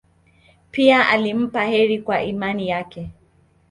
Pia alimpa heri kwa imani yake.